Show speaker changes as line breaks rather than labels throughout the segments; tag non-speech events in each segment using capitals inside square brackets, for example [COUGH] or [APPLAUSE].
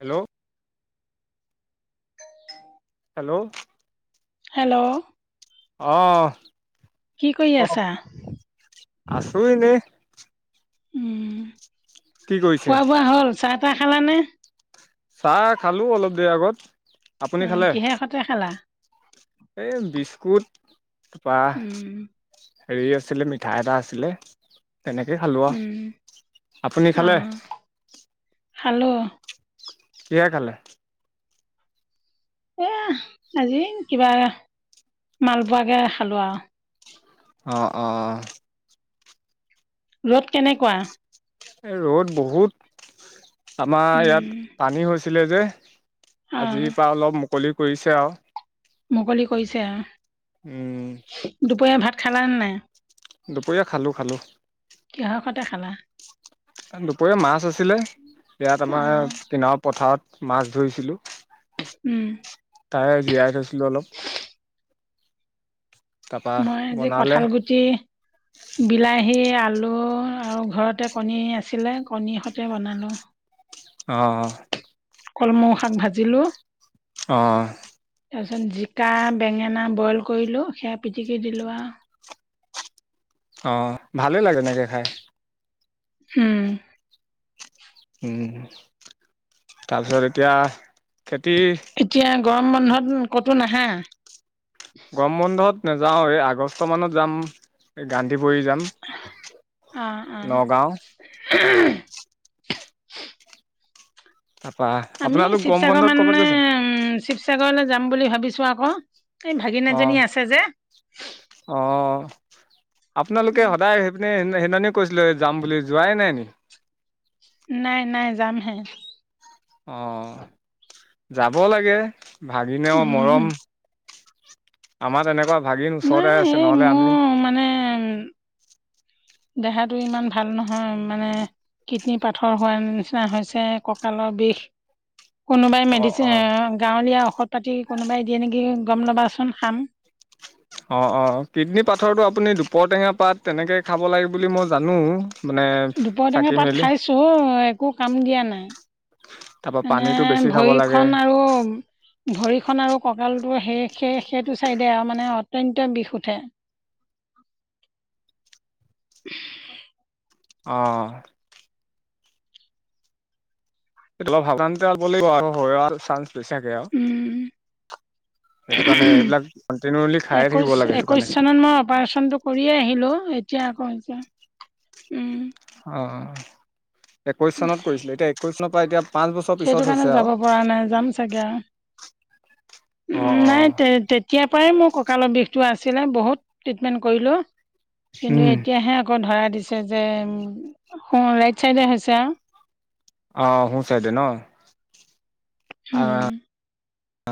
Hello hello
hello
অঁ
কি কৰি আছা
আছোঁ ইনেই
উম
কি কৰিছে
খোৱা বোৱা হল চাহ তাহ খালানে
চাহ খালো অলপ দেৰি আগত। আপুনি
অঁ
খালে
কিহে সতে খালা?
এই বিস্কুট, চাহ।
উম,
হেৰি আছিলে মিঠা এটা আছিলে তেনেকেই খালোঁ
উম,
আৰু আপুনি খালে
অ', খালো
কি হেৰে খালে?
এ আজি কিবা মাল বোৱাকে খালো আৰু
অঁ অঁ অঁ
ৰ'দ কেনেকুৱা?
ৰ'দ বহুত আমাৰ
উম,
ইয়াত পানী হৈছিলে যে।
অ',
আজিৰ পৰা অলপ মুকলি কৰিছে আৰু
মুকলি কৈছে।
উম।
দুপৰীয়া ভাত খালা নে নাই?
দুপৰীয়া খালোঁ খালোঁ।
কিহকতে খালা?
দুপৰীয়া মাছ আছিলে, ইয়াত আমাৰ
অ',
পিনও পথাৰত। মাছ ধৰিছিলো।
উম।
তাই জীয়াই থৈছিলো অলপ তাৰপৰা বনালে।
যে বিলাহী, আলু আৰু ঘৰতে কণী আছিলে কণীহতে বনালোঁ।
অঁ অঁ,
কল মৌ শাক ভাজিলো।
অঁ',
তাৰপিছত জিকা, বেঙেনা বইল কৰিলোঁ সেয়া পিটিকি দিলোঁ আৰু
অঁ', ভালে লাগে তেনেকে খাই।
উম।
তাৰপিছত এতিয়া খেতি
এতিয়া গৰম বন্ধত ক'তো নাহা!
গম বন্ধত নাযাওঁ, এই আগষ্ট মানত যাম এই গান্ধীৰ যাম
অ অ
নগাঁও তাৰপৰা
আমি শিৱসাগৰ মানে শিৱসাগৰলৈ যাম বুলি ভাবিছো আকৌ এই ভাগিন এজনী আছে যে
অঁ আপোনালোকে
উম,
সদায় সেইপিনে সেইদি কৈছিলো যাম বুলি যোৱাই নাই নিকি!
নাই নাই যামহে।
অঁ যাব লাগে ভাগনেও
উম
মৰম। আমাৰ তেনেকুৱা ভাগিন
নাই
ওচৰতে আছে
এই
নহলে আমি
মোৰ মানে দেহাটো ইমান ভাল নহয় মানে কডনী পাথৰ হোৱাৰ নিচিনা হৈছে কঁকালৰ বিষ কোনোবাই
অ',
মেডিচিন
অ',
গাঁৱলীয়া ঔষধ পাতি কোনোবাই দিয়ে নেকি গম ল'বাচোন খাম।
অঁ অঁ কিডনী পাথৰটো আপুনি দুপৰটেঙা পাত তেনেকে খাব লাগে বুলি মই জানো। মানে
দুপৰটেঙা
চাকি
পাত
মেলি
খাইছোঁ, একো কাম দিয়া নাই।
তাৰপা
মানে
পানীটো বেছি খাব
ভৰি
লাগে
খন আৰু। ভৰিখন আৰু কঁকালটো শে সে সেইটো চাইডে আৰু মানে অত্যন্ত বিশ উঠে। উ।
অঁ টো অলপ সাৱধানতে লাগিব আৰু হয় আৰু চান্স বেছিাকে আৰু
উম,
[UNINTELLIGIBLE] সেইটো কাৰণে এইেইবিলাক কন্টিনউলি খাই
একৈশ
থাকিব লাগে সেইটো
একৈশ
কাৰণে।
চনত মই অপাৰেচনটো কৰিয়ে আহিলো এতিয়া আকৌ যে, উম।
অ একৈশ চনত কৰিছিলে, এতিয়া একৈশ চনৰ পৰা এতিয়া। পাঁচ বছৰ পিছত
সেইটো কাৰণে
হৈছে আৰু
যাব পৰা নাই যাম চাগে।
অ অ
নাই তে তেতিয়াৰ পৰাই মোৰ কঁকালৰ বিষটো আছিলে বহুত ট্ৰিটমেন্ট কৰিলোঁ। কিন্তু
উম
এতিয়াহে আকৌ ধৰা দিছে যে অঁ ৰাইট চাইডে হৈছে আৰু।
অ শু চাইদে ন। অ
উম।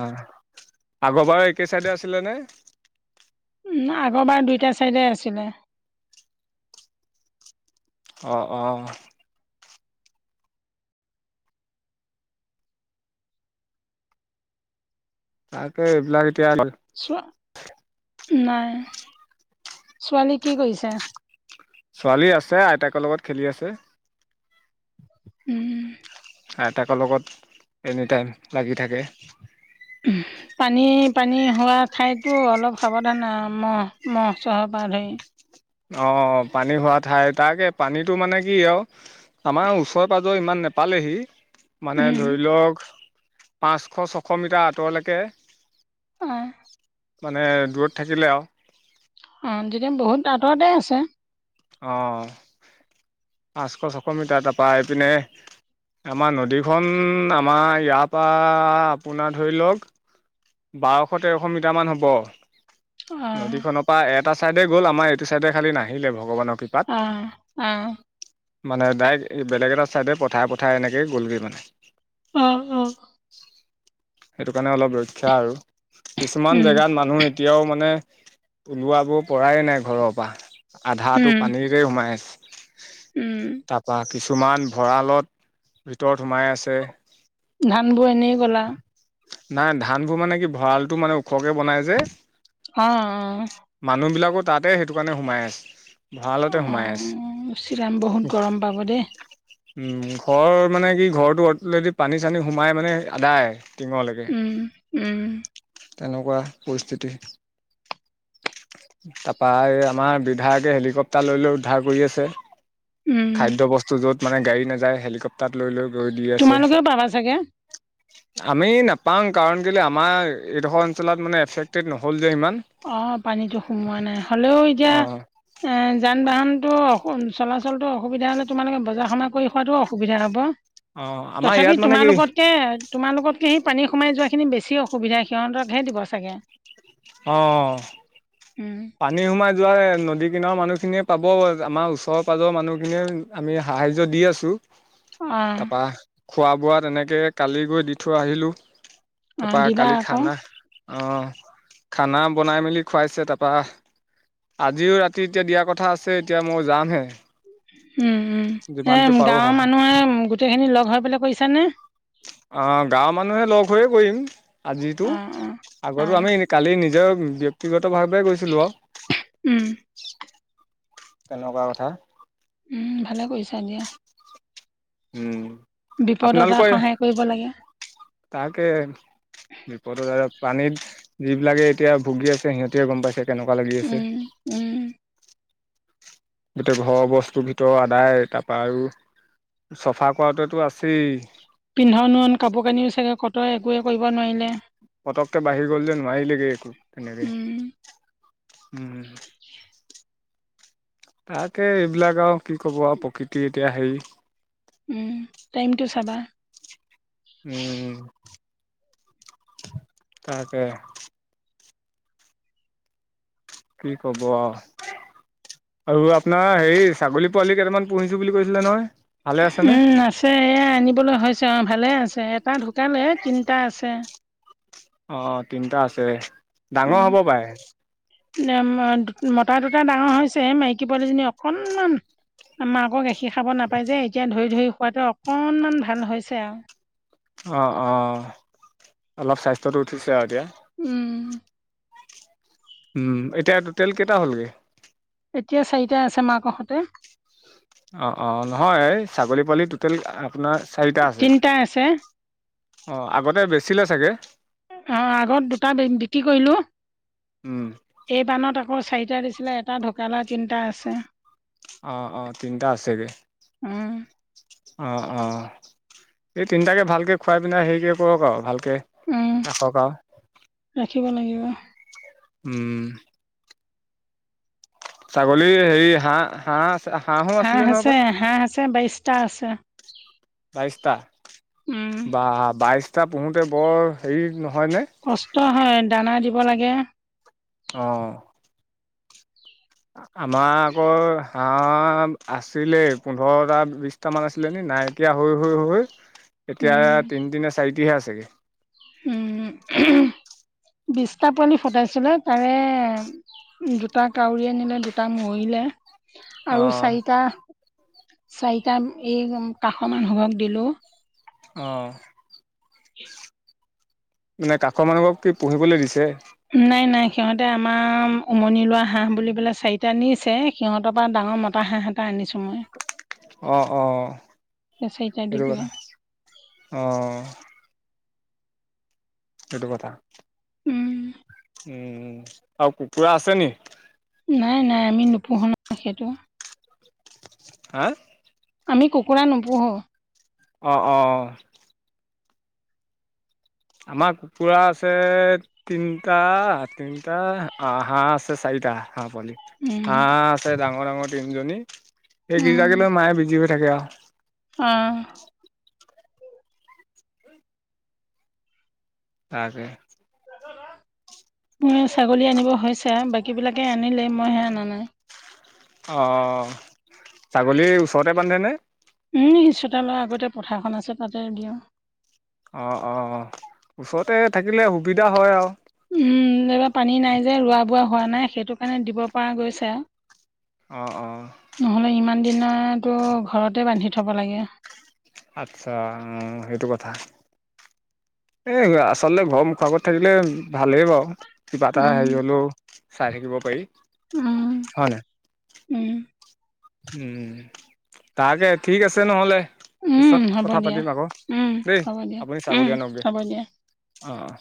অ আগৰ বাৰু একেই চাইডে আছিলে নে?
আগৰ বাৰ দুইটা চাইডে আছিলে।
অঁ অঁ তাকে এইবিলাক এতিয়া।
চোৱা নাই ছোৱালী কি কৰিছে।
ছোৱালী আছে আইতাকৰ লগত খেলি আছে।
উম।
আইতাকৰ লগত এনিটাইম লাগি থাকে।
উম পানী পানী হোৱা ঠাইতো অলপ সাৱধান মহ' মহ' চহৰ পৰা ধৰি।
অঁ পানী হোৱা ঠাই তাকে পানীটো মানে কি আৰু আমাৰ ওচৰে পাঁজৰে ইমান নে পালেহি মানে,
উম,
ধৰি লওক পাঁচশ ছশ মিটাৰ আঁতৰলৈকে।
অহ।
মানে দূৰত থাকিলে আৰু।
অঁ তেতিয়া বহুত আঁতৰতে আছে।
অ, পাঁচশ ছশ মিটাৰ তাৰপৰা এই পিনে, আমাৰ নদীখন, আমাৰ ইয়াৰ পৰা আপোনাৰ ধৰি লওক। বাৰশ তেৰশ মিটাৰমান হ'ব।
অ'।
নদীখনৰ পৰা এটা চাইডে গ'ল আমাৰ এইটো চাইডে খালি নাহিলে, ভগৱানৰ কৃপা
অ অহ।
মানে ডাইৰেক্ট বেলেগ এটা চাইডে পঠাই পঠাই এনেকে গ'লগৈ মানে।
অহ।
সেইটো কাৰণে অলপ ৰক্ষা আৰু কিছুমান
উম,
জেগাত মানুহ। এতিয়াও মানে ওলোৱাব পৰাই নাই, ঘৰৰ পৰা আধাটো
উম,
পানীৰ, তে সোমাই আছে।
উম,
তাৰপৰা কিছুমান ভঁৰালত ভিতৰত সোমাই আছে।
ধান বোৰ এনেই গ'ল আৰু।
নাই, ধানবোৰ মানে কি ভঁৰালটো মানে ওখকে বনাই যে।
অ অ।
মানুহবিলাকো তাতে সেইটো কাৰণে সোমাই আছে। ভঁৰালতে
অ
সোমাই আছে
চিৰাম বহুত গৰম পাব দেই।
উম ঘৰ মানে, কি ঘৰটো অটদি পানী -চানী সোমাই মানে আদায়। টিঙলৈকে,
উম, উম,
তেনেকুৱা পৰিস্থিতি। তাৰপৰা এই আমাৰ বিধায়কে হেলিকপ্তাৰ লৈ লৈ উদ্ধাৰ কৰি আছে।
উম,
খাদ্যবস্তু য'ত মানে গাড়ী নাযায় হেলিকপ্তাৰত লৈ লৈ গৈ দি আছে।
তোমালোকেও পাবা চাগে
আমি নাপাওঁ কাৰণ কেলে আমাৰ এইডোখৰ অঞ্চলত মানে এফেক্টেড নহল যে ইমান।
অ পানীতো সোমোৱা নাই হ'লেও এতিয়া,
অ
এ- যান বাহনতো অ চলাচলতো অসুবিধা হলে তোমালোকে বজাৰ সমাৰ কৰি খোৱাতটো অসুবিধা হ'ব।
অ আমাৰ
তথাপি
ইয়াত মানে
তোমাৰ
কি
লগতকে- তোমালোকতক সেই পানী সমাই যোৱাখিনি বেছি অসুবিধা সিহঁতক হে দিব চাগে।
অঁহ।
উম।
পানী সোমাই যোৱ নদী কিনাৰ মানুহখিনিয়ে পাব আমাৰ ওচৰ পাজৰ মানুহখিনিয়ে। আমি সাহাৰ্য্য দি আছোঁ।
অঁ
তাৰাপা খোৱা বোৱা তেনেকে কালি গৈ দি থৈ আহিলো।
অঁ
তাৰাপা
দিবা
কালি
আকৌ
খানা, অ খানা বনাই মেলি খুৱাইছে তাৰা পা, আজিও ৰাতি এতিয়া দিয়া কথা আছে এতিয়া মই যামহে।
উম উম, এ
যিমানটো পাৰোঁ
গাঁৱৰ
সহায়
মানুহে গোটেই খিনি লগ হৈ পেললে কৰিছ নে।
অ গাঁৱৰ মানুহে লগ হৈয়ে কৰিম আজিতো
অঁ অঁ
আগতো
অঁ
আমি এনে কালি নিজৰ ব্যক্তিগতভাৱে গৈছিলো
উম
আৰু। কেনেকুৱা কথা।
উম ভালেই কৰিছা দিয়া।
উম।
বিপদত
আপোনালোকৰ
সহায় কৰিব লাগে।
তাকে। বিপদত আৰু পানীত যিবিলাকে এতিয়া ভুগি আছে সিহঁতিহে গম পাইছে। কেনেকুৱা লাগি আছে
উম, উম।
গোটেই ঘৰৰ বস্তুৰ ভিতৰত আদায় তাৰপৰা আৰু, চফা কৰাটোতো আছেই।
পিন্ধান উৰণ কাপোৰ কানিও চাগে কটৱে একোৱে কৰিব নোৱাৰিলে।
পতককে বাঢ়ি গ'ল যে নোৱাৰিলেগৈ একো তেনেকৈ।
উম
তাকে এইবিলাক আৰু কি ক'ব আৰু প্ৰকৃতি এতিয়া হেৰি।
উম, টাইমটো চাবা।
উম, তাকে। কি কব আও। আৰু আপোনাৰ হেৰি ছাগলী পোৱালি কেইটামান পুহিছো বুলি কৈছিলে নহয়। ভালে আছেনে
উম আছে এই আনিবলৈ হৈছে অঁহ ভালে আছে এটা ঢুকালে তিনিটা আছে।
অ তিনিটা আছে ডাঙৰ
উম
হ'ব পাই।
মতা দুটা ডাঙৰ হৈছে মাইকী পোৱালীজনী অকনমান- মাকৰ গাখীৰ খাব নাপায় যে এতিয়া ধৰি ধৰি খোৱাটে অকণমান ভাল হৈছে আৰু।
অ অ, অলপ স্বাস্থ্যটো উঠিছে আৰু এতিয়া।
উম।
উম এতিয়া টোটেল কেইটা হ'লগে?
এতিয়া চাৰিটা আছে মাকহঁতে।
অ অ নহয় এই ছাগলী পোৱালি টোটেল আপোনাৰ চাৰিটা আছে।
তিনিটা আছে
অঁহ আগতে বেছিলে চাগে।
অ আগত দুটা বি বিক্ৰী কৰিলো।
উম।
এই বানট আকৌ চাৰিটা দিছিলে এটা ঢুকালে তিনিটা আছে।
অঁ অঁ তিনিটা আছেগৈ।
উমঁ!
অঁ অঁ এই তিনিটাকে ভালকে খুৱাই পিনাই হেৰিকে কৰক আৰু ভালকে
উম
ৰাখক আও
ৰাখিব লাগিব
উমঁ! ছাগলী হেৰি হাঁহ হাঁহ হাঁহো
হাঁহ
আছিলে নহয়
আছে
হপাই
হাঁহ আছে বাইশটা আছে।
বাইশটা
উম
বা বাইশটা পুহোতে বৰ হেৰি নহয়নে?
কষ্ট হয় দানা দিব লাগে।
অঁ আমাৰ আক হা আছিলে পোন্ধৰটা বিছটামান আছিলে নি নাইকিয়া হৈ হৈ হৈ এতিয়া তিনিটি নে চাৰিটিহে আছেগে।
উমঁ উহো বিছটা পোৱালি ফটাইছিলে তাৰে দুটা কাউৰীৰে নিলে দুটা মৰিলে। আৰু
অ',
চাৰিটা চাৰিটা এই কাষৰ মানুহক দিলো।
অঁ মানে কাষৰ মানুহক কি পুহিবলৈ দিছে।
নাই নাই সিহঁতে আমাৰ উমনি লোৱা হাঁহ বুলি পেলে চাৰিটা নিছে। সিহঁতৰ পৰা ডাঙৰ মতা হাঁহ এটা আনিছো মই।
অহ অহ
সেই চাৰিটা দি
সেইটো কথা
পেলাই
অহ সেইটো কথা।
উমঁ!
উমঁ আৰু কুকুৰা আছে নি?
নাই নাই আমি নোপোহো নো সেইটো
হেহ
আমি কুকুৰা নোপোহোঁ।
অঁ অঁ! আমাৰ কুকুৰা আছে তিনিটা তিনিটা হাঁহ আছে চাৰিটা হাঁহ পোৱালি।
উম,
হাঁহ আছে ডাঙৰ ডাঙৰ তিনিজনী এইকেইটাকে লৈ মায়ে বিজি হৈ থাকে আও।
অহ।
তাকে
মোৰ ছাগলী আনিব হৈছে বাকী বিলাকে আনিলে মইহে অনা নাই।
অঁ অঁ ছাগলীৰ ওচৰতে বান্ধেনে?
উমঁ চোতালৰ আগতে পথাৰখন আছে তাতে দিওঁ।
অঁ অঁ ওচৰতে থাকিলে সুবিধা হয় আও
উমঁ এইবাৰ পানী নাই যে ৰোৱা বোৱা হোৱা নাই সেইটো কাৰণে দিব পৰা গৈছে আও
অহ অহ।
নহ'লে ইমান দিনতো ঘৰতে বান্ধি থ'ব লাগে।
আচ্ছা অ সেইটো কথা। এ আচলতে ঘৰ মুখগত থাকিলে ভালে বাৰু কিবা এটা
উম
হেৰি হলেও চাই থাকিব পাৰি।
উমঁ উমঁ!
উমঁ তাকে ঠিক আছে নহ'লে। পিছত
উম হ'ব
কথা
দিয়া
পাতিম আকৌ
উম
দেই।
হ'ব দিয়া
আপুনি
উম
ছাগলী আনকগে
হ'ব দিয়া
অ' অ'।